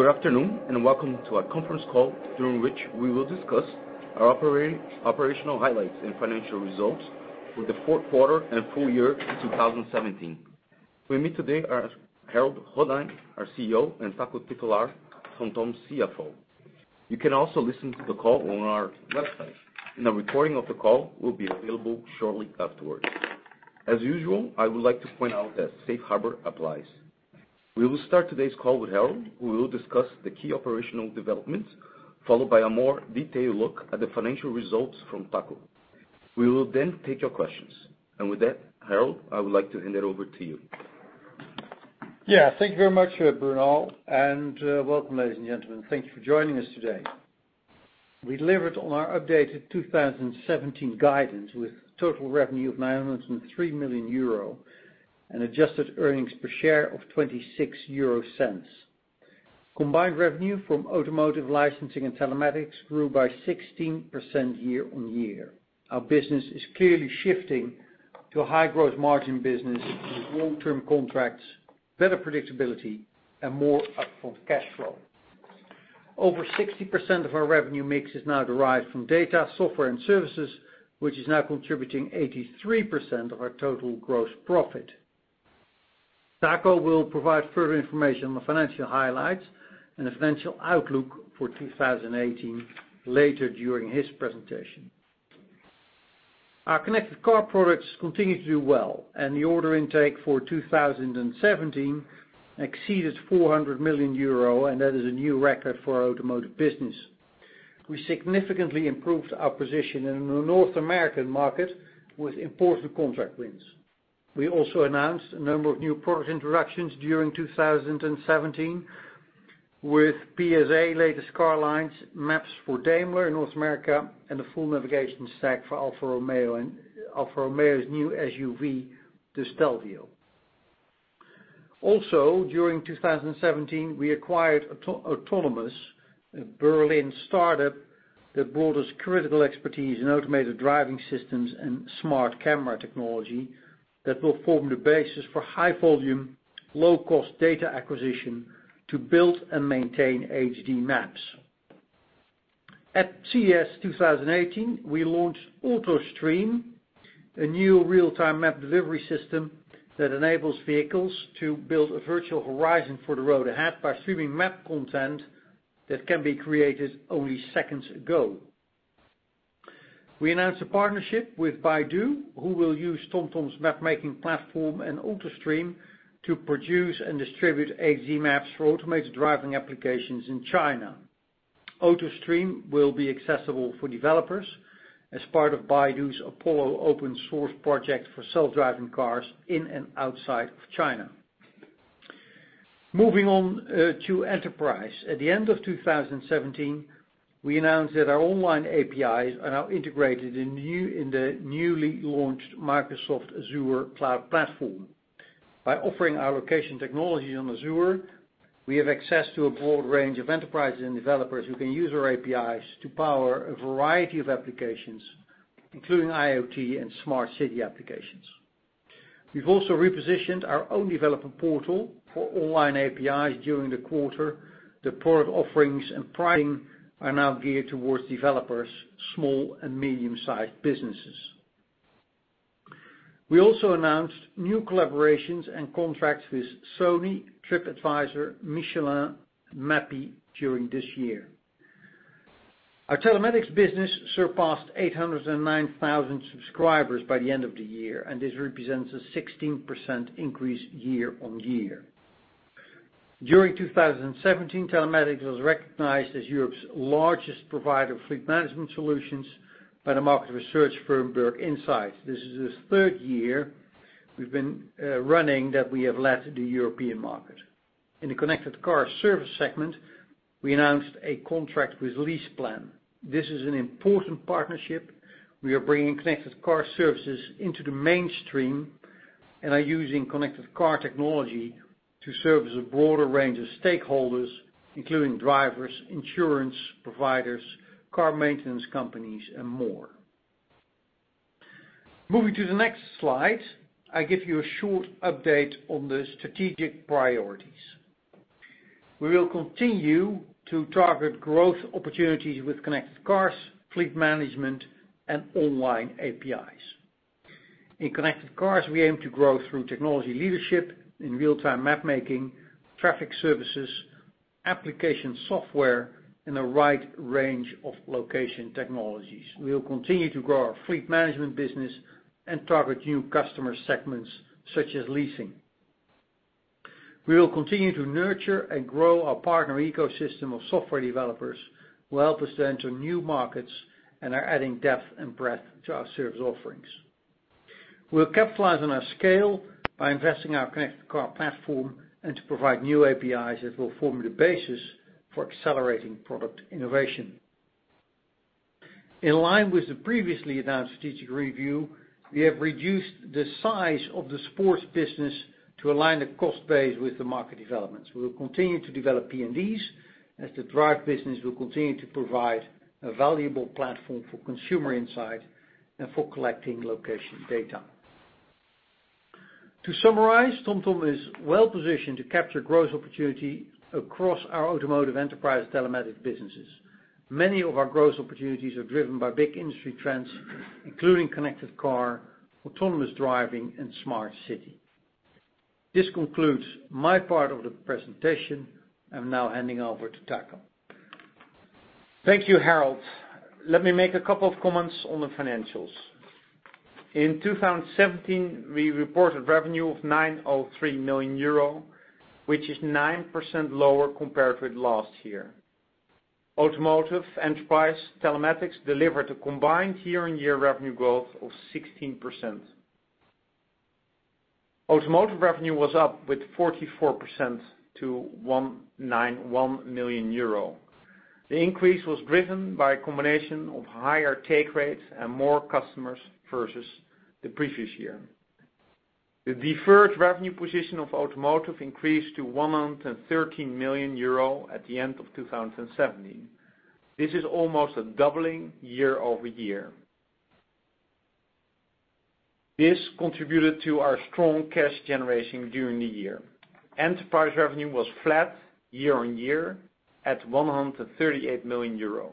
Good afternoon, welcome to our conference call, during which we will discuss our operational highlights and financial results for the fourth quarter and full year of 2017. With me today are Harold Goddijn, our CEO, and Taco Titulaer, TomTom's CFO. You can also listen to the call on our website, a recording of the call will be available shortly afterwards. As usual, I would like to point out that Safe Harbor applies. We will start today's call with Harold, who will discuss the key operational developments, followed by a more detailed look at the financial results from Taco. We will then take your questions. With that, Harold, I would like to hand it over to you. Thank you very much, Bernal, welcome, ladies and gentlemen. Thank you for joining us today. We delivered on our updated 2017 guidance with total revenue of 903 million euro, adjusted earnings per share of 0.26. Combined revenue from automotive licensing and telematics grew by 16% year-on-year. Our business is clearly shifting to a high growth margin business with long-term contracts, better predictability, and more upfront cash flow. Over 60% of our revenue mix is now derived from data, software, and services, which is now contributing 83% of our total gross profit. Taco will provide further information on the financial highlights and the financial outlook for 2018 later during his presentation. Our connected car products continue to do well, the order intake for 2017 exceeded 400 million euro, that is a new record for our automotive business. We significantly improved our position in the North American market with important contract wins. We also announced a number of new product introductions during 2017 with PSA latest car lines, maps for Daimler in North America, and the full navigation stack for Alfa Romeo's new SUV, the Stelvio. During 2017, we acquired Autonomos, a Berlin startup that brought us critical expertise in automated driving systems and smart camera technology that will form the basis for high volume, low-cost data acquisition to build and maintain HD maps. At CES 2018, we launched AutoStream, a new real-time map delivery system that enables vehicles to build a virtual horizon for the road ahead by streaming map content that can be created only seconds ago. We announced a partnership with Baidu, who will use TomTom's map-making platform and AutoStream to produce and distribute HD maps for automated driving applications in China. AutoStream will be accessible for developers as part of Baidu's Apollo open source project for self-driving cars in and outside of China. Moving on to enterprise. At the end of 2017, we announced that our online APIs are now integrated in the newly launched Microsoft Azure cloud platform. By offering our location technologies on Azure, we have access to a broad range of enterprises and developers who can use our APIs to power a variety of applications, including IoT and smart city applications. We've also repositioned our own development portal for online APIs during the quarter. The product offerings and pricing are now geared towards developers, small and medium-sized businesses. We also announced new collaborations and contracts with Sony, TripAdvisor, Michelin, Mappy during this year. Our telematics business surpassed 809,000 subscribers by the end of the year, this represents a 16% increase year-on-year. During 2017, telematics was recognized as Europe's largest provider of fleet management solutions by the market research firm Berg Insight. This is the third year we've been running that we have led the European market. In the connected car service segment, we announced a contract with LeasePlan. This is an important partnership. We are bringing connected car services into the mainstream and are using connected car technology to service a broader range of stakeholders, including drivers, insurance providers, car maintenance companies, and more. Moving to the next slide, I give you a short update on the strategic priorities. We will continue to target growth opportunities with connected cars, fleet management, and online APIs. In connected cars, we aim to grow through technology leadership in real-time map-making, traffic services, application software, and a wide range of location technologies. We will continue to grow our fleet management business and target new customer segments such as leasing. We will continue to nurture and grow our partner ecosystem of software developers who help us to enter new markets and are adding depth and breadth to our service offerings. We'll capitalize on our scale by investing our connected car platform and to provide new APIs that will form the basis for accelerating product innovation. In line with the previously announced strategic review, we have reduced the size of the sports business to align the cost base with the market developments. We will continue to develop PNDs as the drive business will continue to provide a valuable platform for consumer insight and for collecting location data. To summarize, TomTom is well positioned to capture growth opportunity across our automotive enterprise telematics businesses. Many of our growth opportunities are driven by big industry trends, including connected car, autonomous driving, and smart city. This concludes my part of the presentation. I'm now handing over to Taco. Thank you, Harold. Let me make a couple of comments on the financials. In 2017, we reported revenue of 903 million euro, which is 9% lower compared with last year. Automotive enterprise telematics delivered a combined year-on-year revenue growth of 16%. Automotive revenue was up with 44% to 191 million euro. The increase was driven by a combination of higher take rates and more customers versus the previous year. The deferred revenue position of automotive increased to 113 million euro at the end of 2017. This is almost a doubling year-over-year. This contributed to our strong cash generation during the year. Enterprise revenue was flat year-on-year at 138 million euro.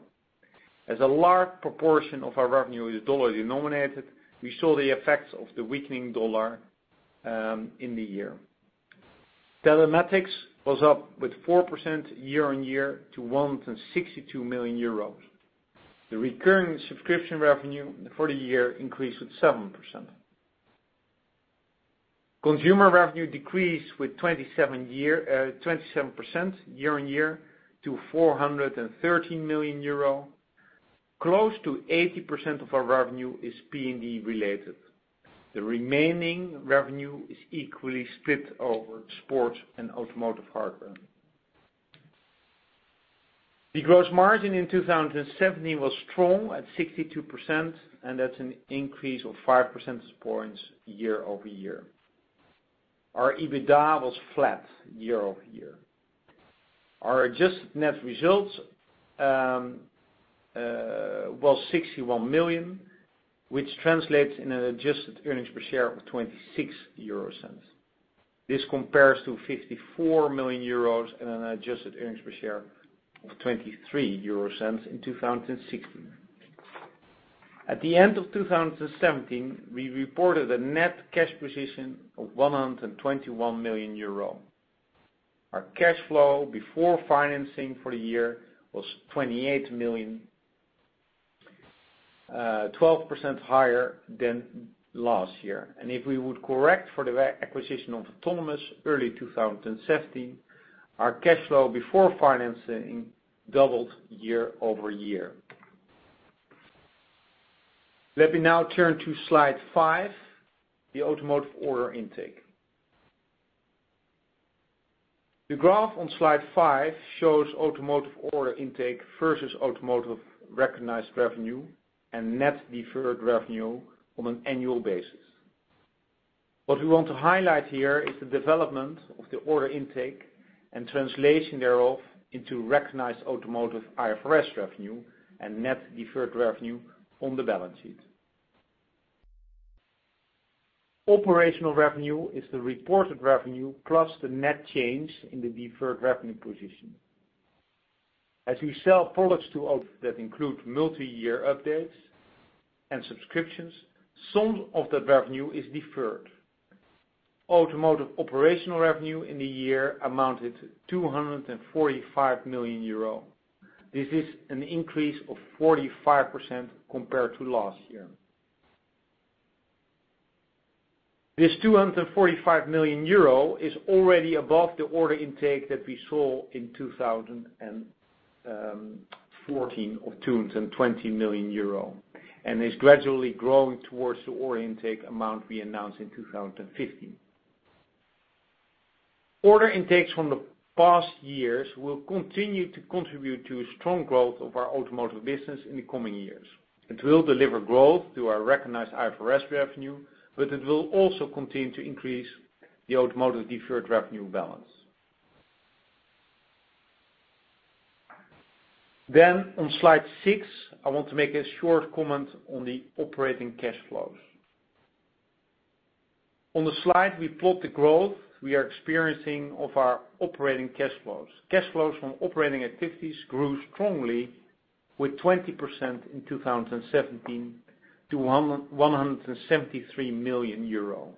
As a large proportion of our revenue is USD denominated, we saw the effects of the weakening USD in the year. Telematics was up with 4% year-on-year to 162 million euros. The recurring subscription revenue for the year increased with 7%. Consumer revenue decreased with 27% year-over-year to 413 million euro. Close to 80% of our revenue is PND related. The remaining revenue is equally split over sports and automotive hardware. The gross margin in 2017 was strong at 62%, and that's an increase of 5 percentage points year-over-year. Our EBITDA was flat year-over-year. Our adjusted net results was 61 million, which translates in an adjusted earnings per share of 0.26. This compares to 54 million euros and an adjusted earnings per share of 0.23 in 2016. At the end of 2017, we reported a net cash position of 121 million euro. Our cash flow before financing for the year was 28 million, 12% higher than last year. If we would correct for the acquisition of Autonomos early 2017, our cash flow before financing doubled year-over-year. Let me now turn to slide five, the automotive order intake. The graph on slide five shows automotive order intake versus automotive recognized revenue and net deferred revenue on an annual basis. What we want to highlight here is the development of the order intake and translation thereof into recognized automotive IFRS revenue and net deferred revenue on the balance sheet. Operational revenue is the reported revenue plus the net change in the deferred revenue position. As we sell products that include multi-year updates and subscriptions, some of that revenue is deferred. Automotive operational revenue in the year amounted 245 million euro. This is an increase of 45% compared to last year. This 245 million euro is already above the order intake that we saw in 2014 of 220 million euro, and is gradually growing towards the order intake amount we announced in 2015. Order intakes from the past years will continue to contribute to a strong growth of our automotive business in the coming years. It will deliver growth to our recognized IFRS revenue, but it will also continue to increase the automotive deferred revenue balance. On slide six, I want to make a short comment on the operating cash flows. On the slide, we plot the growth we are experiencing of our operating cash flows. Cash flows from operating activities grew strongly with 20% in 2017 to 173 million euro,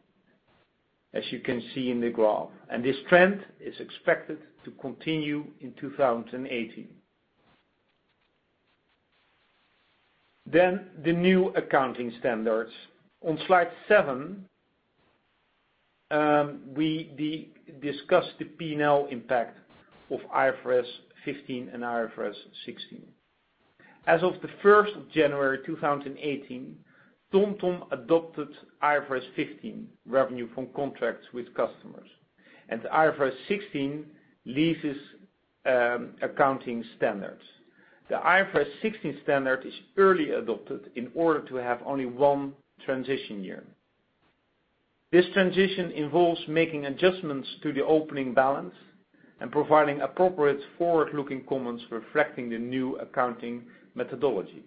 as you can see in the graph. This trend is expected to continue in 2018. The new accounting standards. On slide seven, we discuss the P&L impact of IFRS 15 and IFRS 16. As of January 1, 2018, TomTom adopted IFRS 15 revenue from contracts with customers and IFRS 16 leases accounting standards. The IFRS 16 standard is early adopted in order to have only one transition year. This transition involves making adjustments to the opening balance and providing appropriate forward-looking comments reflecting the new accounting methodology.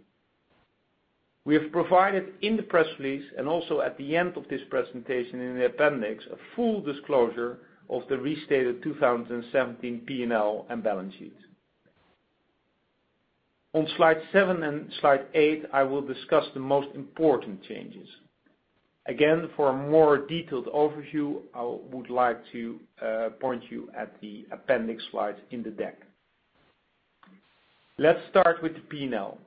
We have provided in the press release, and also at the end of this presentation in the appendix, a full disclosure of the restated 2017 P&L and balance sheet. On slide seven and slide eight, I will discuss the most important changes. Again, for a more detailed overview, I would like to point you at the appendix slides in the deck. Let's start with the P&L.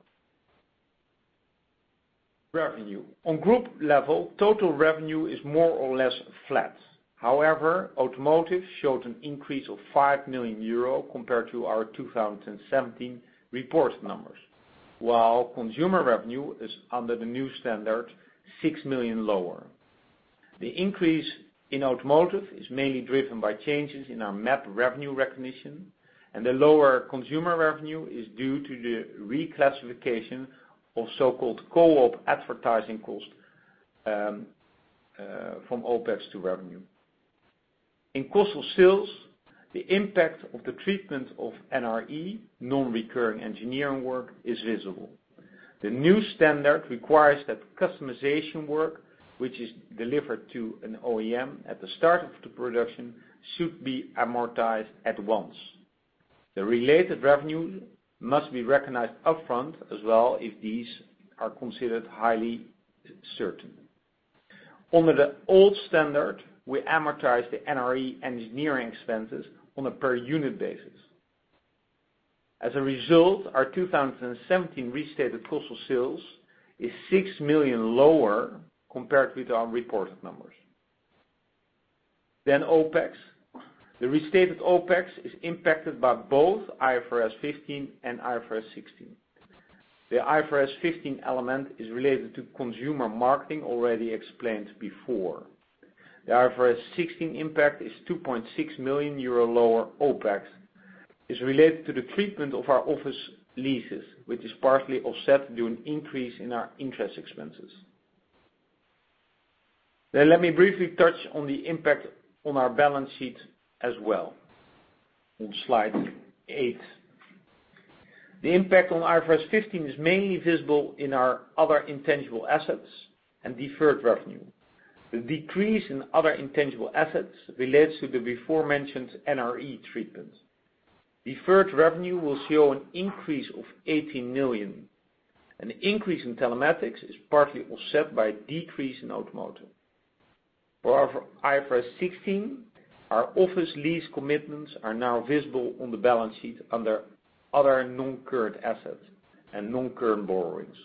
Revenue. On group level, total revenue is more or less flat. However, automotive showed an increase of 5 million euro compared to our 2017 report numbers, while consumer revenue is, under the new standard, 6 million lower. The increase in automotive is mainly driven by changes in our map revenue recognition. The lower consumer revenue is due to the reclassification of so-called co-op advertising cost from OpEx to revenue. In cost of sales, the impact of the treatment of NRE, non-recurring engineering work, is visible. The new standard requires that customization work, which is delivered to an OEM at the start of the production, should be amortized at once. The related revenue must be recognized upfront as well, if these are considered highly certain. Under the old standard, we amortize the NRE engineering expenses on a per unit basis. As a result, our 2017 restated cost of sales is 6 million lower compared with our reported numbers. OpEx. The restated OpEx is impacted by both IFRS 15 and IFRS 16. The IFRS 15 element is related to consumer marketing, already explained before. The IFRS 16 impact is 2.6 million euro lower OpEx, is related to the treatment of our office leases, which is partly offset due an increase in our interest expenses. Let me briefly touch on the impact on our balance sheet as well, on slide eight. The impact on IFRS 15 is mainly visible in our other intangible assets and deferred revenue. The decrease in other intangible assets relates to the before mentioned NRE treatment. Deferred revenue will show an increase of 18 million. The increase in telematics is partly offset by a decrease in automotive. For our IFRS 16, our office lease commitments are now visible on the balance sheet under other non-current assets and non-current borrowings.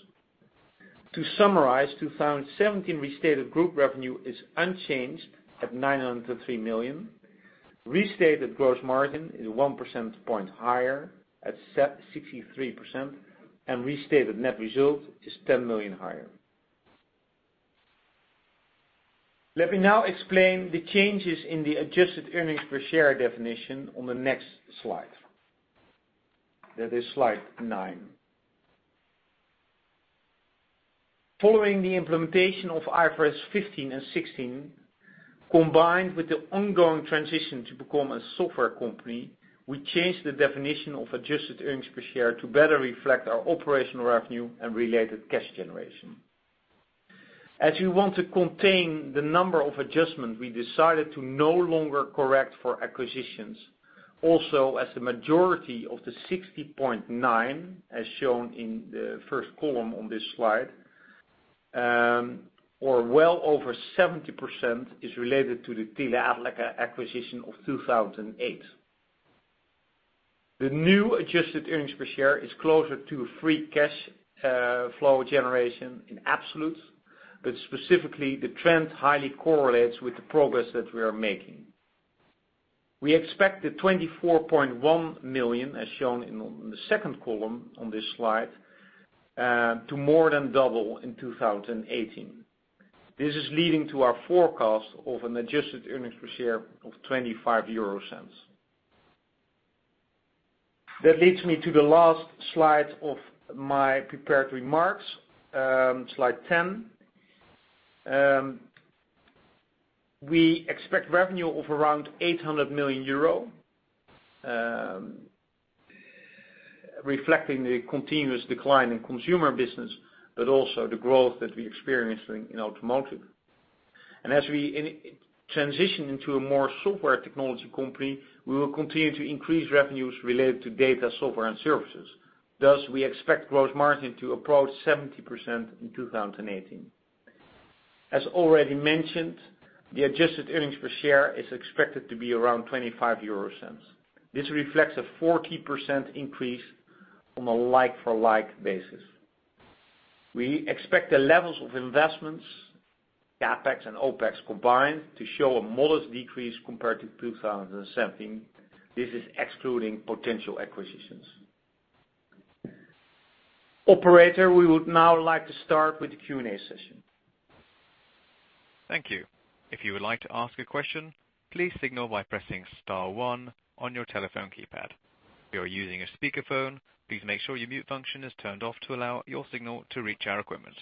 To summarize, 2017 restated group revenue is unchanged at 903 million. Restated gross margin is 1 percentage point higher at 63%. Restated net result is 10 million higher. Let me now explain the changes in the adjusted earnings per share definition on the next slide. That is slide nine. Following the implementation of IFRS 15 and IFRS 16, combined with the ongoing transition to become a software company, we changed the definition of adjusted earnings per share to better reflect our operational revenue and related cash generation. As we want to contain the number of adjustments, we decided to no longer correct for acquisitions. As the majority of the 60.9, as shown in the first column on this slide, or well over 70%, is related to the Tele Atlas acquisition of 2008. The new adjusted earnings per share is closer to free cash flow generation in absolutes, specifically, the trend highly correlates with the progress that we are making. We expect the 24.1 million, as shown in the second column on this slide, to more than double in 2018. This is leading to our forecast of an adjusted earnings per share of 0.25. That leads me to the last slide of my prepared remarks, slide 10. We expect revenue of around 800 million euro, reflecting the continuous decline in consumer business, also the growth that we're experiencing in automotive. As we transition into a more software technology company, we will continue to increase revenues related to data, software, and services. We expect gross margin to approach 70% in 2018. As already mentioned, the adjusted earnings per share is expected to be around 0.25. This reflects a 40% increase on a like-for-like basis. We expect the levels of investments, CapEx and OpEx combined, to show a modest decrease compared to 2017. This is excluding potential acquisitions. Operator, we would now like to start with the Q&A session. Thank you. If you would like to ask a question, please signal by pressing star one on your telephone keypad. If you are using a speakerphone, please make sure your mute function is turned off to allow your signal to reach our equipment.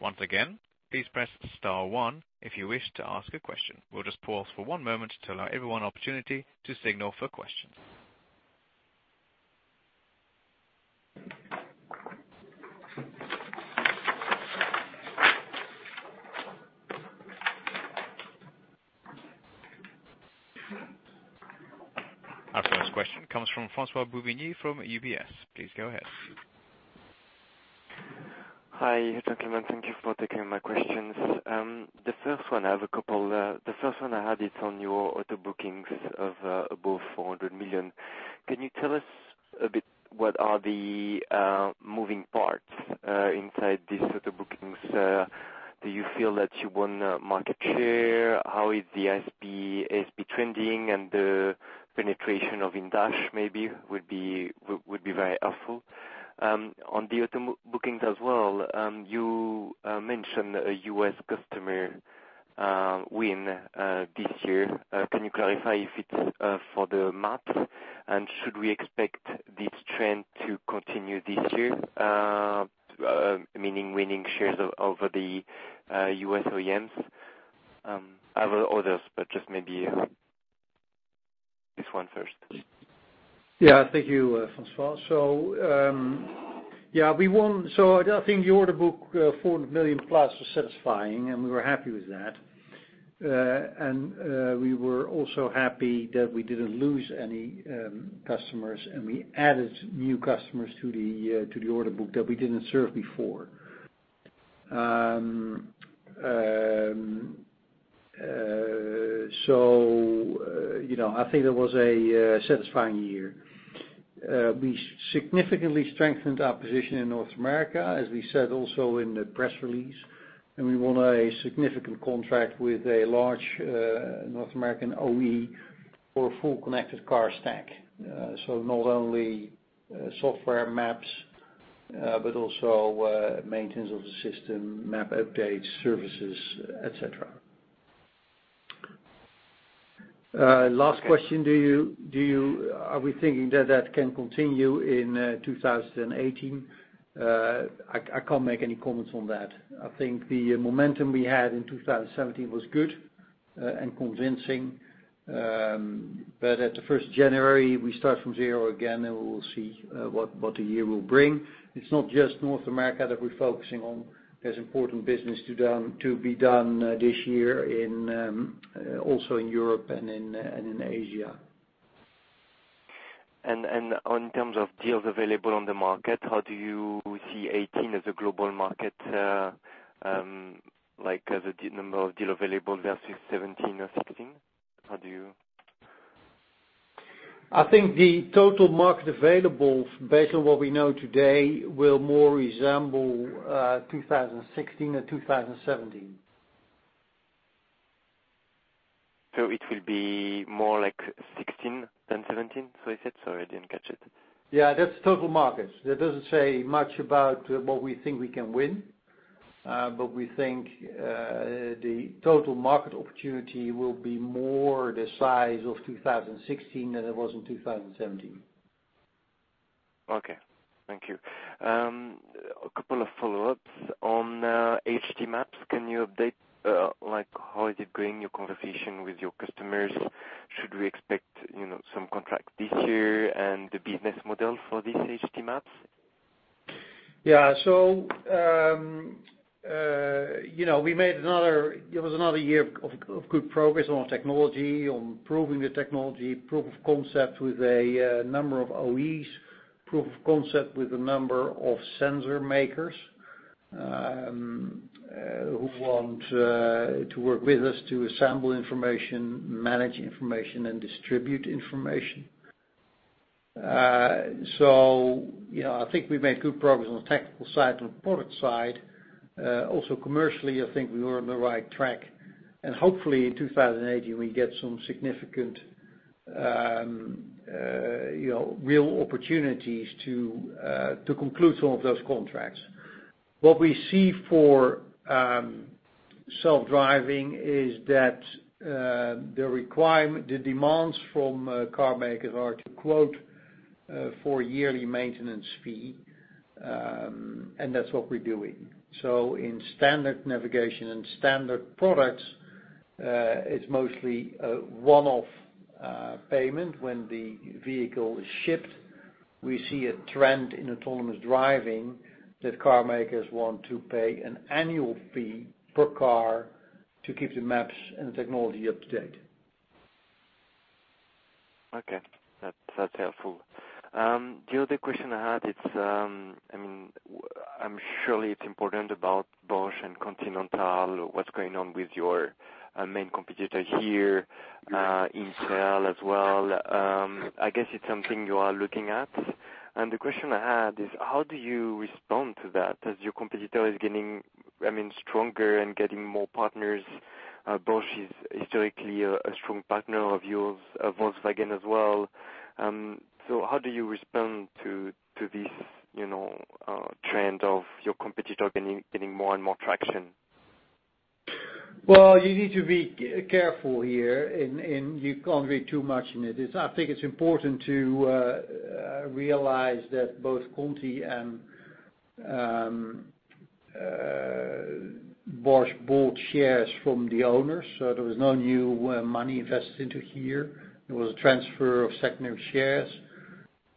Once again, please press star one if you wish to ask a question. We will just pause for one moment to allow everyone an opportunity to signal for questions. Our first question comes from François-Xavier Bouvignies from UBS. Please go ahead. Hi, TomTom. Thank you for taking my questions. The first one, I have a couple. The first one I had it is on your auto bookings of above 400 million. Can you tell us a bit what are the moving parts inside these auto bookings? Do you feel that you won market share? How is the ASP trending and the penetration of in-dash maybe would be very helpful. On the auto bookings as well, you mentioned a U.S. customer win this year. Can you clarify if it is for the maps? Should we expect this trend to continue this year? Meaning winning shares over the U.S. OEMs. I have others, but just maybe this one first. Yeah, thank you, François. I think the order book, 400 million plus was satisfying, and we were happy with that. We were also happy that we did not lose any customers, and we added new customers to the order book that we did not serve before. I think that was a satisfying year. We significantly strengthened our position in North America, as we said also in the press release. We won a significant contract with a large North American OE for a full connected car stack. Not only software maps, but also maintenance of the system, map updates, services, et cetera. Last question. Are we thinking that that can continue in 2018? I cannot make any comments on that. I think the momentum we had in 2017 was good and convincing. At the 1st January, we start from zero again. We will see what the year will bring. It's not just North America that we're focusing on. There's important business to be done this year also in Europe and in Asia. On terms of deals available on the market, how do you see 2018 as a global market, like as a number of deal available versus 2017 or 2016? How do you I think the total market available based on what we know today, will more resemble 2016 or 2017. It will be more like 2016 than 2017, so you said? Sorry, I didn't catch it. Yeah, that's total markets. That doesn't say much about what we think we can win. We think the total market opportunity will be more the size of 2016 than it was in 2017. Okay. Thank you. A couple of follow-ups. On HD maps, can you update, how is it going, your conversation with your customers? Should we expect some contract this year and the business model for these HD maps? Yeah. It was another year of good progress on technology, on improving the technology, proof of concept with a number of OEs, proof of concept with a number of sensor makers who want to work with us to assemble information, manage information, and distribute information. I think we've made good progress on the technical side, on the product side. Also commercially, I think we were on the right track. Hopefully in 2018, we get some significant real opportunities to conclude some of those contracts. What we see for self-driving is that the demands from car makers are to quote for yearly maintenance fee, and that's what we're doing. In standard navigation and standard products, it's mostly a one-off payment when the vehicle is shipped. We see a trend in autonomous driving that car makers want to pay an annual fee per car to keep the maps and the technology up to date. Okay. That's helpful. The other question I had, I'm sure it's important about Bosch and Continental, what's going on with your main competitor here, Intel as well. I guess it's something you are looking at. The question I had is how do you respond to that as your competitor is getting stronger and getting more partners? Bosch is historically a strong partner of yours, of Volkswagen as well. How do you respond to this trend of your competitor getting more and more traction? Well, you need to be careful here. You can't read too much in it. I think it's important to realize that both Conti and Bosch bought shares from the owners. There was no new money invested into here. It was a transfer of secondary shares.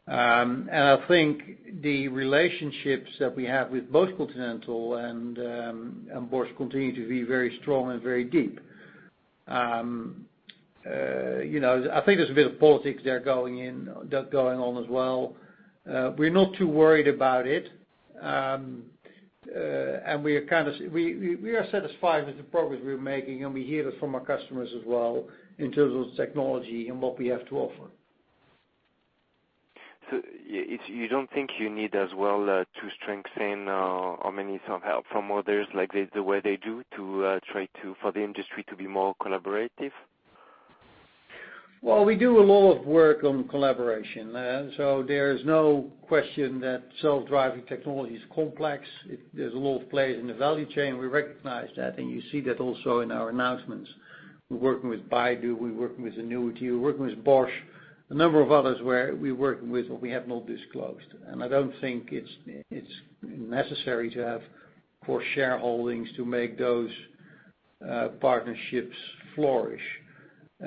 I think the relationships that we have with both Continental and Bosch continue to be very strong and very deep. I think there's a bit of politics there going on as well. We're not too worried about it. We are satisfied with the progress we're making. We hear it from our customers as well in terms of technology and what we have to offer. You don't think you need as well to strengthen or may need some help from others like this, the way they do to try for the industry to be more collaborative? Well, we do a lot of work on collaboration. There is no question that self-driving technology is complex. There's a lot of players in the value chain. We recognize that. You see that also in our announcements. We're working with Baidu, we're working with Nvidia, we're working with Bosch, a number of others where we're working with what we have not disclosed. I don't think it's necessary to have core shareholdings to make those partnerships flourish. You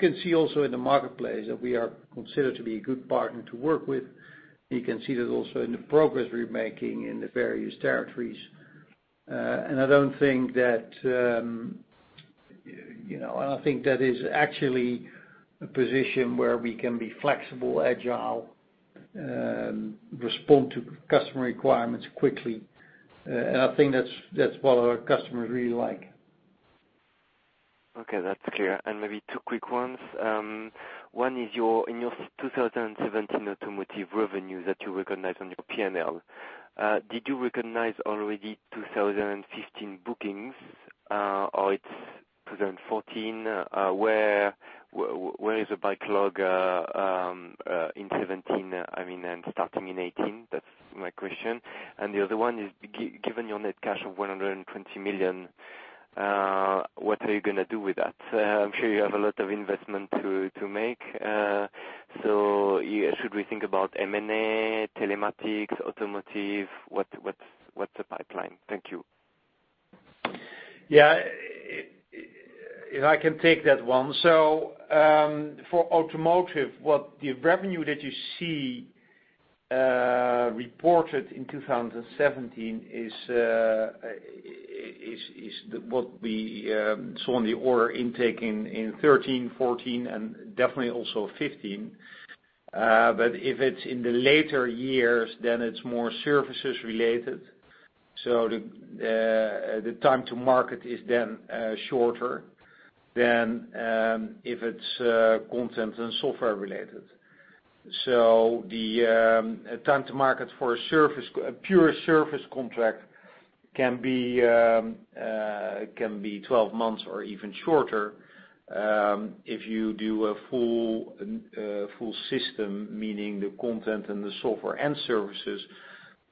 can see also in the marketplace that we are considered to be a good partner to work with. You can see that also in the progress we're making in the various territories. I think that is actually a position where we can be flexible, agile, respond to customer requirements quickly. I think that's what our customers really like. Okay, that's clear. Maybe two quick ones. One is in your 2017 automotive revenue that you recognize on your P&L, did you recognize already 2015 bookings, or it's 2014? Where is the backlog in 2017, starting in 2018? That's my question. The other one is, given your net cash of 120 million, what are you going to do with that? I'm sure you have a lot of investment to make. Should we think about M&A, telematics, automotive? What's the pipeline? Thank you. Yeah. I can take that one. For automotive, what the revenue that you see reported in 2017 is what we saw on the order intake in 2013, 2014, and definitely also 2015. If it's in the later years, then it's more services related. The time to market is then shorter than if it's content and software related. The time to market for a pure service contract can be 12 months or even shorter. If you do a full system, meaning the content and the software and services,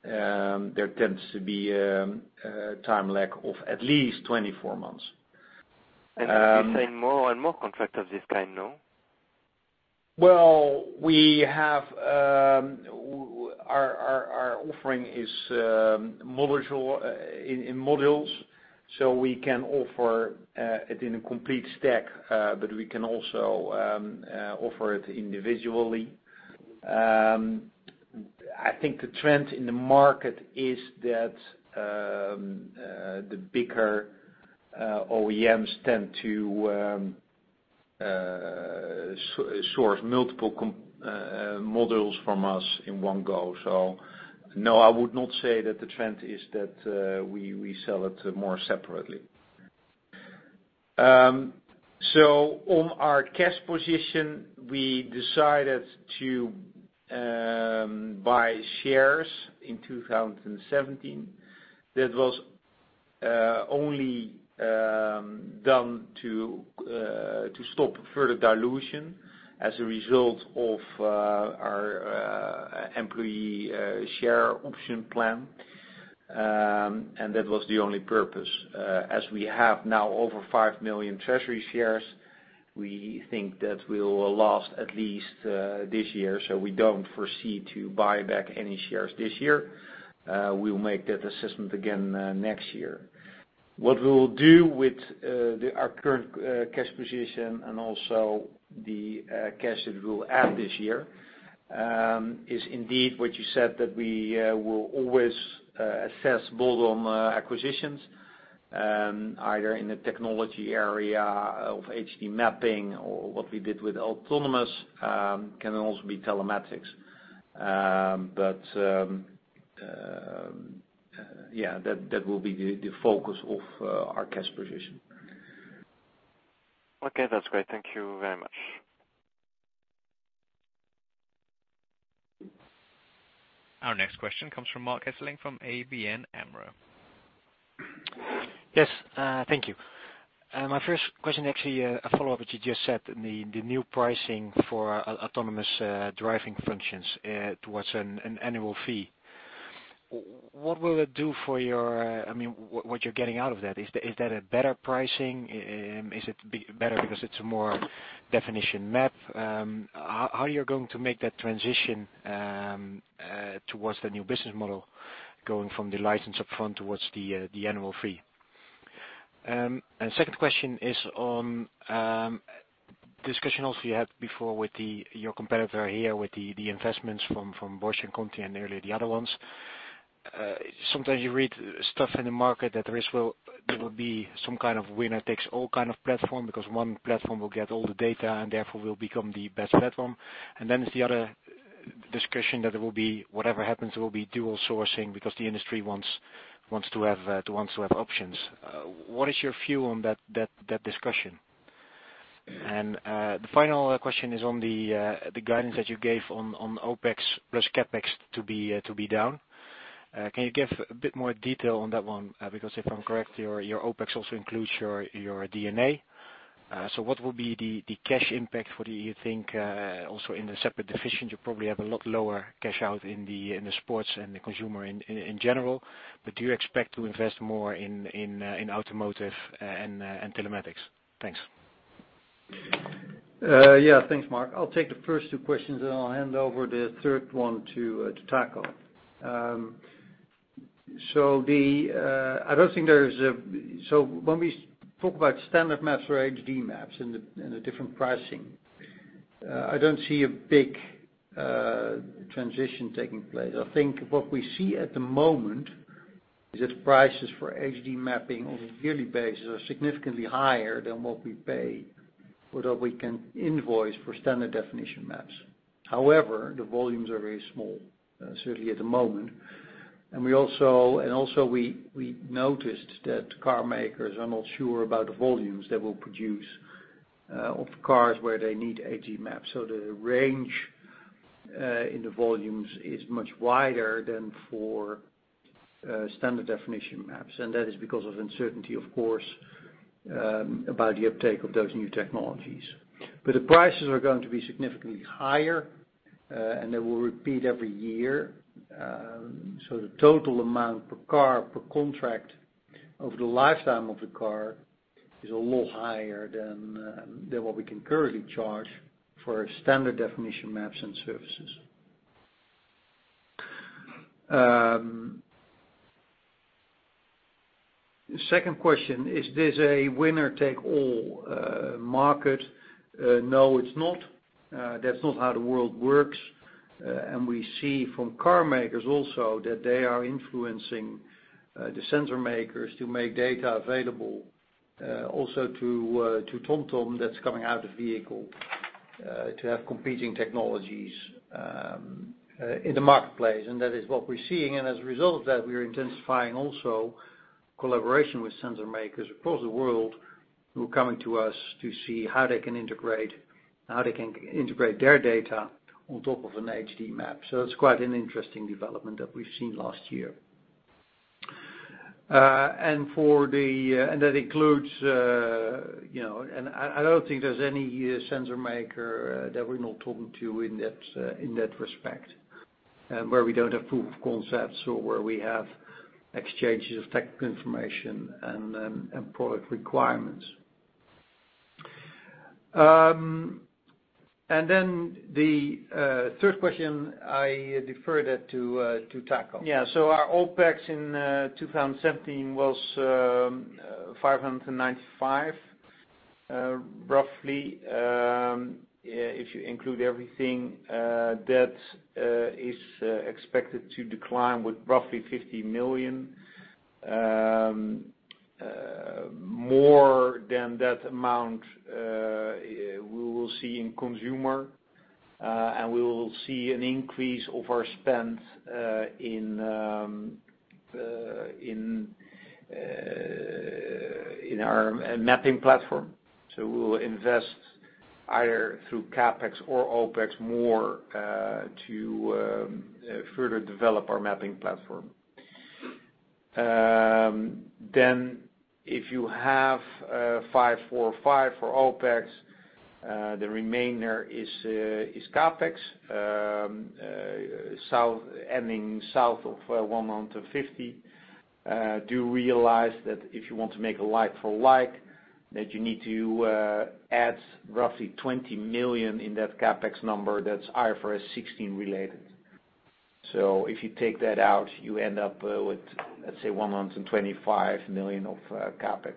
there tends to be a time lag of at least 24 months. You're seeing more and more contracts of this kind now? Well, our offering is in modules, so we can offer it in a complete stack, but we can also offer it individually. I think the trend in the market is that the bigger OEMs tend to source multiple models from us in one go. No, I would not say that the trend is that we sell it more separately. On our cash position, we decided to buy shares in 2017. That was only done to stop further dilution as a result of our employee share option plan. That was the only purpose. As we have now over five million treasury shares, we think that will last at least this year. We don't foresee to buy back any shares this year. We'll make that assessment again next year. What we will do with our current cash position and also the cash that we'll add this year, is indeed what you said, that we will always assess bolt-on acquisitions, either in the technology area of HD mapping or what we did with Autonomos, can also be telematics. Yeah, that will be the focus of our cash position. Okay, that's great. Thank you very much. Our next question comes from Marc Hesselink from ABN AMRO. Yes, thank you. My first question, actually, a follow-up what you just said, the new pricing for autonomous driving functions towards an annual fee What will it do for what you're getting out of that? Is that a better pricing? Is it better because it's a more definition map? How are you going to make that transition towards the new business model, going from the license upfront towards the annual fee? Second question is on discussion also you had before with your competitor HERE, with the investments from Bosch and Conti and earlier the other ones. Sometimes you read stuff in the market that there will be some kind of winner-takes-all kind of platform, because one platform will get all the data and therefore will become the best platform. There's the other discussion that it will be, whatever happens, it will be dual sourcing because the industry wants to have options. What is your view on that discussion? The final question is on the guidance that you gave on OpEx plus CapEx to be down. Can you give a bit more detail on that one? Because if I'm correct, your OpEx also includes your D&A. What will be the cash impact for the, you think, also in the separate division, you probably have a lot lower cash out in the Sports and the Consumer in general. Do you expect to invest more in Automotive and Telematics? Thanks. Yeah. Thanks, Marc. I'll take the first two questions, then I'll hand over the third one to Taco. When we talk about standard maps or HD maps and the different pricing, I don't see a big transition taking place. I think what we see at the moment is that prices for HD mapping on a yearly basis are significantly higher than what we pay, or that we can invoice for standard definition maps. However, the volumes are very small, certainly at the moment. Also we noticed that car makers are not sure about the volumes they will produce of cars where they need HD maps. The range in the volumes is much wider than for standard definition maps. That is because of uncertainty, of course, about the uptake of those new technologies. The prices are going to be significantly higher, and they will repeat every year. The total amount per car, per contract over the lifetime of the car is a lot higher than what we can currently charge for standard definition maps and services. Second question, is this a winner-take-all market? No, it's not. That's not how the world works. We see from car makers also that they are influencing the sensor makers to make data available also to TomTom that's coming out of the vehicle, to have competing technologies in the marketplace. That is what we're seeing. As a result of that, we are intensifying also collaboration with sensor makers across the world who are coming to us to see how they can integrate their data on top of an HD map. It's quite an interesting development that we've seen last year. That includes, and I don't think there's any sensor maker that we're not talking to in that respect, where we don't have proof of concepts or where we have exchanges of technical information and product requirements. The third question, I defer that to Taco. Our OpEx in 2017 was 595, roughly, if you include everything. That is expected to decline with roughly 50 million. More than that amount, we will see in consumer, and we will see an increase of our spend in our mapping platform. We will invest either through CapEx or OpEx more, to further develop our mapping platform. If you have 545 for OpEx, the remainder is CapEx, ending south of 150. Do realize that if you want to make a like for like, that you need to add roughly 20 million in that CapEx number that's IFRS 16 related. If you take that out, you end up with, let's say, 125 million of CapEx.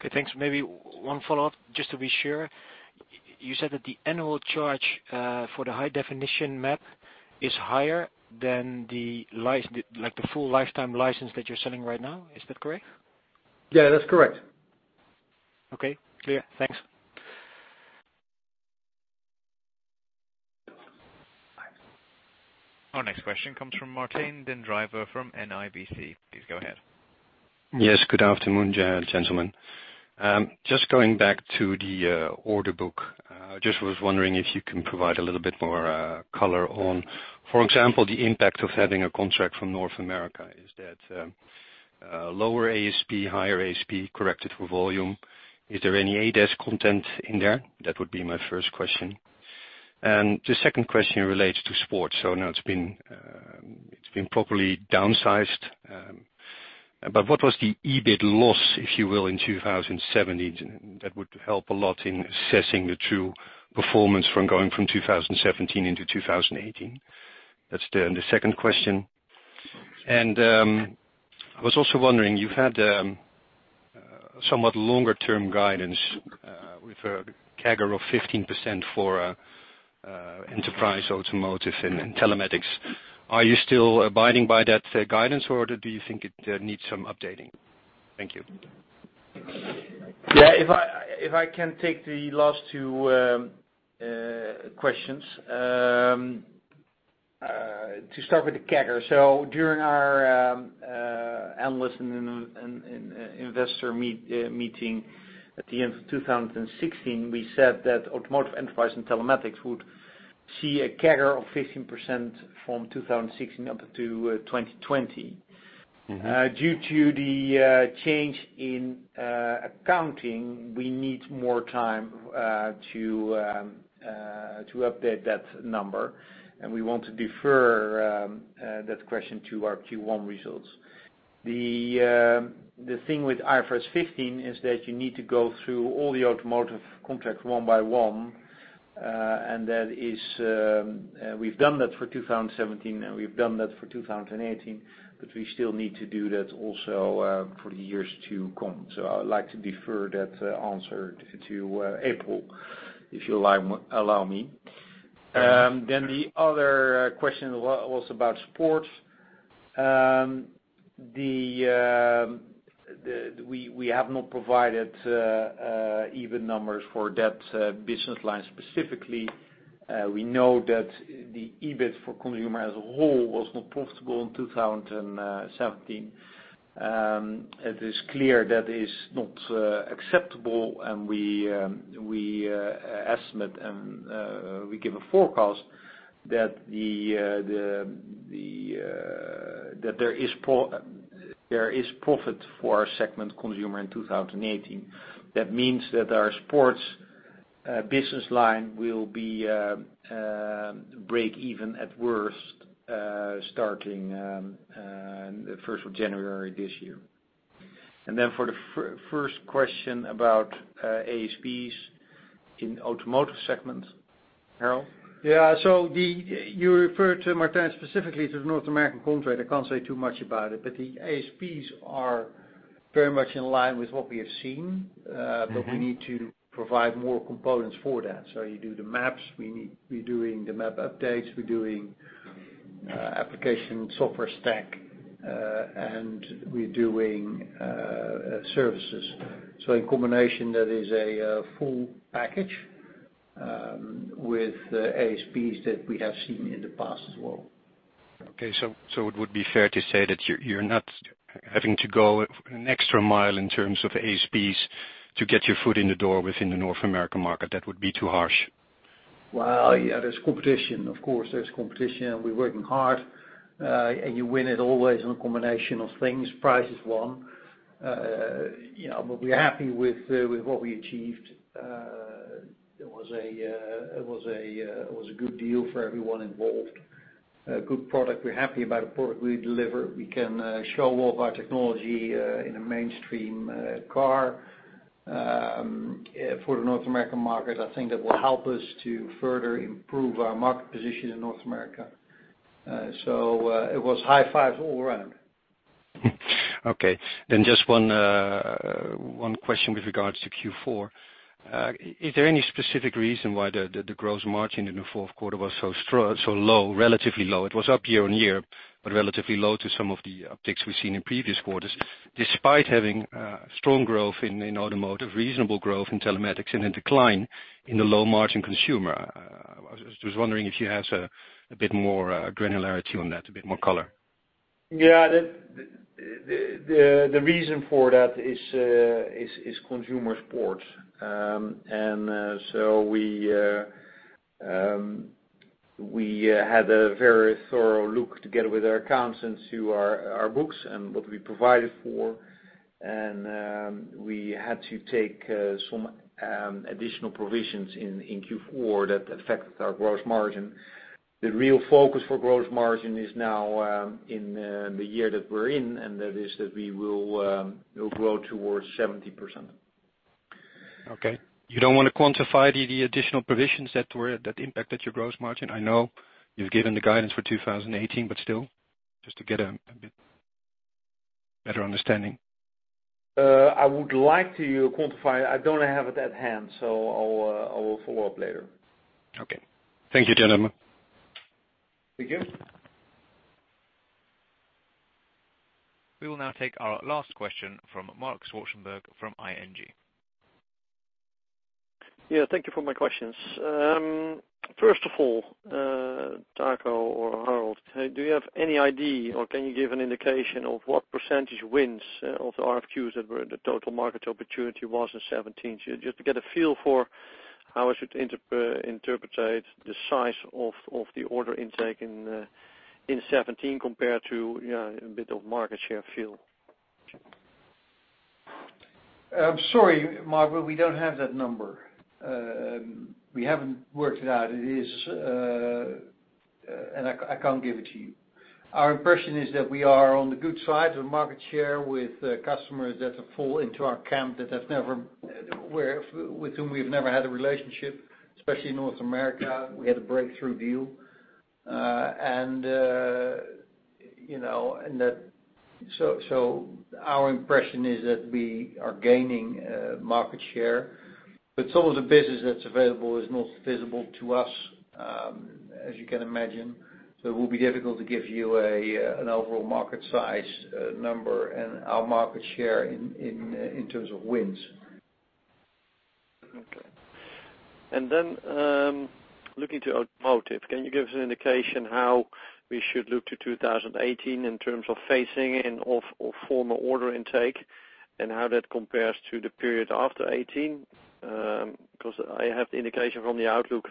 Okay. Thanks. Maybe one follow-up, just to be sure. You said that the annual charge for the high definition map is higher than the full lifetime license that you're selling right now. Is that correct? That's correct. Okay. Clear. Thanks. Our next question comes from Martijn den Drijver from NIBC. Please go ahead. Yes, good afternoon, gentlemen. Going back to the order book. I was wondering if you can provide a little bit more color on, for example, the impact of having a contract from North America. Is that lower ASP, higher ASP corrected for volume? Is there any ADAS content in there? That would be my first question. The second question relates to sports. I know it's been properly downsized, but what was the EBIT loss, if you will, in 2017? That would help a lot in assessing the true performance from going from 2017 into 2018. That's the second question. I was also wondering, you've had somewhat longer-term guidance with a CAGR of 15% for enterprise, automotive, and telematics. Are you still abiding by that same guidance, or do you think it needs some updating? Thank you. Yeah, if I can take the last two questions. To start with the CAGR. During our analyst and investor meeting at the end of 2016, we said that automotive, enterprise, and telematics would see a CAGR of 15% from 2016 up to 2020. Due to the change in accounting, we need more time to update that number, and we want to defer that question to our Q1 results. The thing with IFRS 15 is that you need to go through all the automotive contracts one by one. We've done that for 2017, and we've done that for 2018, but we still need to do that also for the years to come. I would like to defer that answer to April, if you'll allow me. The other question was about sports. We have not provided EBIT numbers for that business line specifically. We know that the EBIT for consumer as a whole was not profitable in 2017. It is clear that is not acceptable, and we estimate, and we give a forecast that there is profit for our segment consumer in 2018. That means that our sports business line will be break-even at worst, starting first of January this year. For the first question about ASPs in automotive segment. Harold? Yeah. You referred, Martijn, specifically to the North American contract. I can't say too much about it. The ASPs are very much in line with what we have seen. We need to provide more components for that. You do the maps, we're doing the map updates, we're doing application software stack, and we're doing services. In combination, that is a full package with ASPs that we have seen in the past as well. Okay. It would be fair to say that you're not having to go an extra mile in terms of ASPs to get your foot in the door within the North American market, that would be too harsh? Well, yeah, there's competition. Of course, there's competition and we're working hard. You win it always on a combination of things. Price is one. We're happy with what we achieved. It was a good deal for everyone involved. A good product. We're happy about the product we deliver. We can show off our technology in a mainstream car for the North American market. I think that will help us to further improve our market position in North America. It was high five all around. Okay. Just one question with regards to Q4. Is there any specific reason why the gross margin in the fourth quarter was so low, relatively low? It was up year-on-year, but relatively low to some of the upticks we've seen in previous quarters, despite having strong growth in automotive, reasonable growth in telematics, and a decline in the low margin consumer. I was just wondering if you have a bit more granularity on that, a bit more color. Yeah. The reason for that is consumer sports. We had a very thorough look together with our accountants through our books and what we provided for. We had to take some additional provisions in Q4 that affected our gross margin. The real focus for gross margin is now in the year that we're in, and that is that we will grow towards 70%. Okay. You don't want to quantify the additional provisions that impacted your gross margin? I know you've given the guidance for 2018, but still, just to get a bit better understanding. I would like to quantify it. I don't have it at hand, I will follow up later. Okay. Thank you, gentlemen. Thank you. We will now take our last question from Marc Zwartsenburg from ING. Yeah, thank you for my questions. First of all, Taco or Harold, do you have any idea or can you give an indication of what percentage wins of the RFQs that were in the total market opportunity was in 2017? Just to get a feel for how I should interpret the size of the order intake in 2017 compared to a bit of market share feel? I'm sorry, Marc, we don't have that number. We haven't worked it out and I can't give it to you. Our impression is that we are on the good side of market share with customers that fall into our camp, with whom we've never had a relationship, especially in North America. We had a breakthrough deal. Our impression is that we are gaining market share, but some of the business that's available is not visible to us, as you can imagine. It will be difficult to give you an overall market size number and our market share in terms of wins. Okay. Looking to automotive, can you give us an indication how we should look to 2018 in terms of phasing in of former order intake and how that compares to the period after 2018? I have the indication from the outlook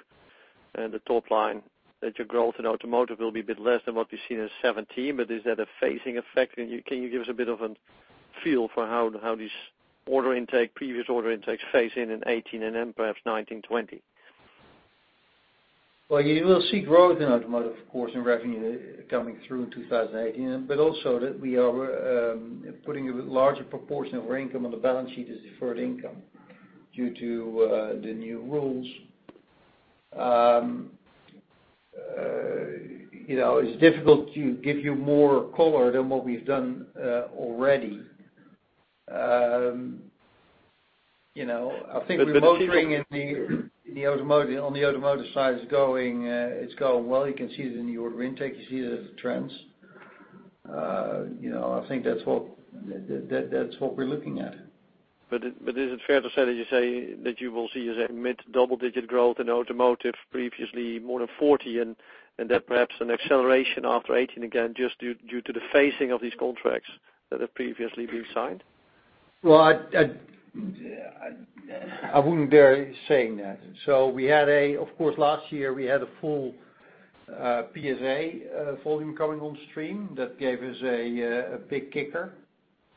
and the top line that your growth in automotive will be a bit less than what we've seen in 2017. Is that a phasing effect? Can you give us a bit of a feel for how these previous order intakes phase in 2018 and then perhaps 2019, 2020? Well, you will see growth in automotive, of course, in revenue coming through in 2018. Also that we are putting a larger proportion of our income on the balance sheet as deferred income due to the new rules. It's difficult to give you more color than what we've done already. I think the motoring on the automotive side is going well. You can see it in the order intake. You see it as trends. I think that's what we're looking at. Is it fair to say that you say that you will see mid to double digit growth in automotive, previously more than 40, and that perhaps an acceleration after 2018 again, just due to the phasing of these contracts that have previously been signed? I wouldn't dare saying that. Of course, last year we had a full PSA volume coming on stream that gave us a big kicker.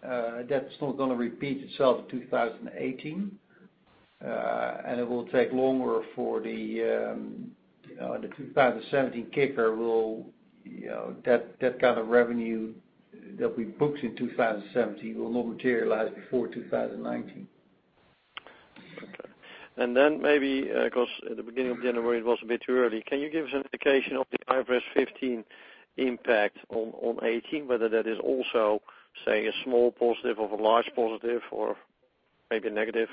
That's not going to repeat itself in 2018. It will take longer for the 2017 kicker, that kind of revenue that we booked in 2017 will not materialize before 2019. Maybe because at the beginning of January it was a bit early, can you give us an indication of the IFRS 15 impact on 2018, whether that is also, say, a small positive or a large positive or maybe a negative?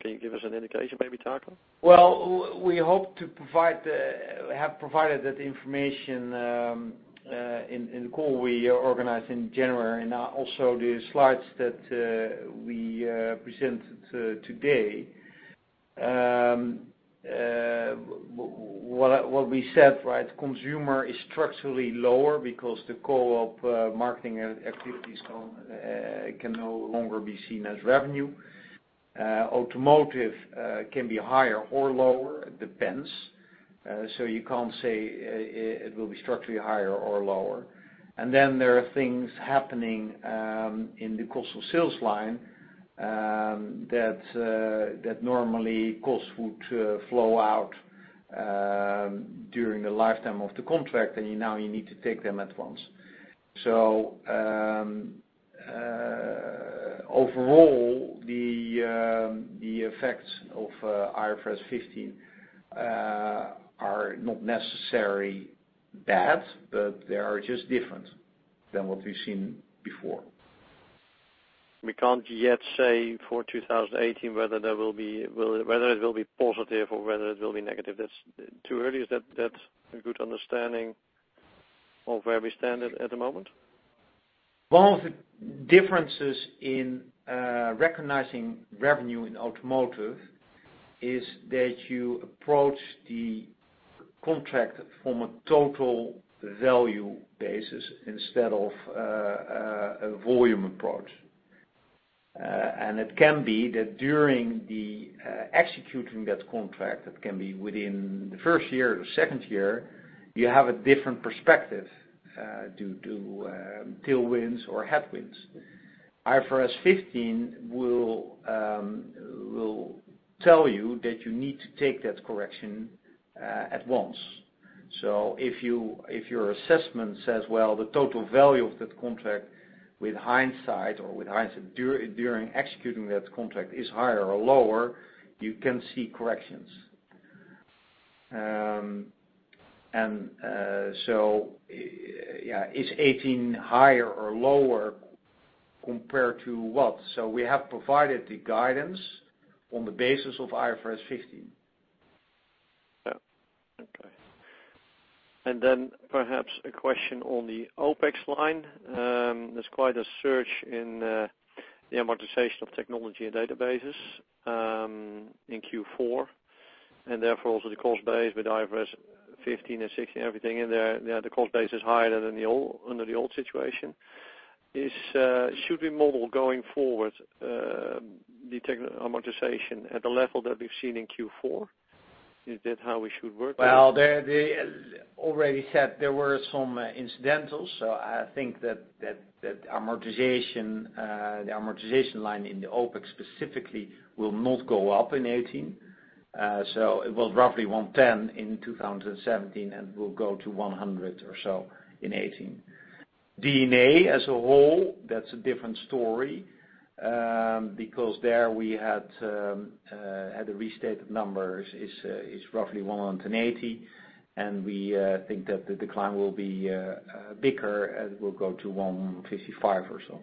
Can you give us an indication maybe, Taco? We hope to have provided that information in the call we organized in January and also the slides that we presented today. What we said, consumer is structurally lower because the co-op advertising activities can no longer be seen as revenue. Automotive can be higher or lower, it depends. You can't say it will be structurally higher or lower. There are things happening in the cost of sales line that normally costs would flow out during the lifetime of the contract, and now you need to take them at once. Overall, the effects of IFRS 15 are not necessarily bad, but they are just different than what we've seen before. We can't yet say for 2018 whether it will be positive or whether it will be negative. That's too early. Is that a good understanding of where we stand at the moment? One of the differences in recognizing revenue in automotive is that you approach the contract from a total value basis instead of a volume approach. It can be that during the executing that contract, it can be within the first year or second year, you have a different perspective due to tailwinds or headwinds. IFRS 15 will tell you that you need to take that correction at once. If your assessment says, well, the total value of that contract with hindsight or with hindsight during executing that contract is higher or lower, you can see corrections. Is 2018 higher or lower compared to what? We have provided the guidance on the basis of IFRS 15. Yeah. Okay. Then perhaps a question on the OpEx line. There's quite a surge in the amortization of technology and databases in Q4, and therefore also the cost base with IFRS 15 and 16, everything in there. The cost base is higher than under the old situation. Should we model going forward the tech amortization at the level that we've seen in Q4? Is that how we should work? Well, already said there were some incidentals. I think that the amortization line in the OpEx specifically will not go up in 2018. It was roughly 110 in 2017, and will go to 100 or so in 2018. D&A as a whole, that's a different story, because there we had the restated numbers is roughly 180, and we think that the decline will be bigger as it will go to 155 or so.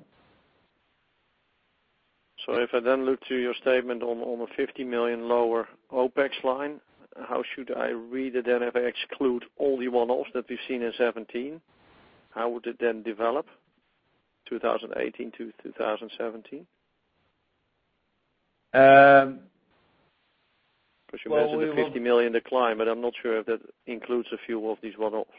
If I then look to your statement on the 50 million lower OpEx line, how should I read it then if I exclude all the one-offs that we've seen in 2017? How would it then develop 2018 to 2017? Because you mentioned the 50 million decline, but I'm not sure if that includes a few of these one-offs.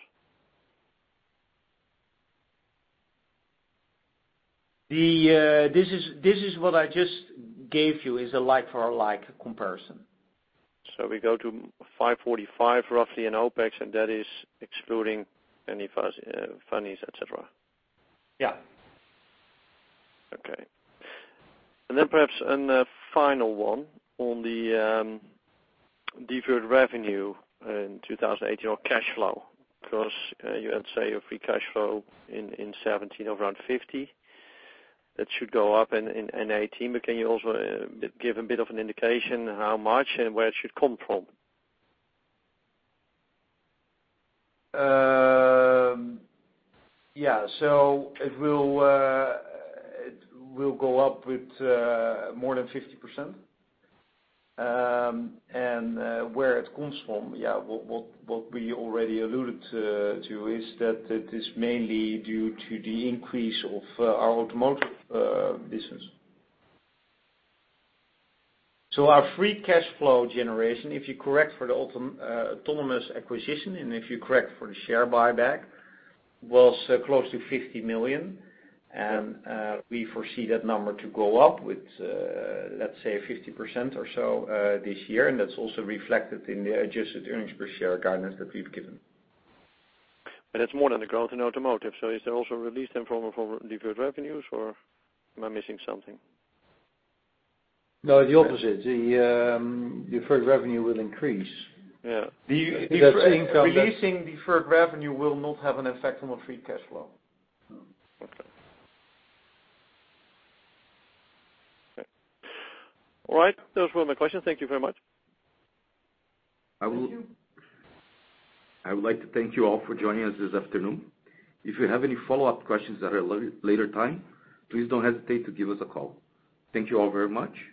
This is what I just gave you, is a like for like comparison. We go to 545 roughly in OpEx, and that is excluding any funnies, et cetera. Yeah. Okay. Perhaps a final one on the deferred revenue in 2018 or cash flow. Because you had, say, a free cash flow in 2017 of around 50. That should go up in 2018, but can you also give a bit of an indication how much and where it should come from? Yeah. It will go up with more than 50%. Where it comes from, what we already alluded to, is that it is mainly due to the increase of our automotive business. Our free cash flow generation, if you correct for the Autonomos acquisition and if you correct for the share buyback, was close to 50 million. We foresee that number to go up with, let's say, 50% or so this year. That's also reflected in the adjusted earnings per share guidance that we've given. It's more than the growth in automotive. Is there also release then from deferred revenues or am I missing something? No, the opposite. The deferred revenue will increase. Releasing deferred revenue will not have an effect on our free cash flow. Okay. All right. Those were my questions. Thank you very much. Thank you. I would like to thank you all for joining us this afternoon. If you have any follow-up questions at a later time, please don't hesitate to give us a call. Thank you all very much.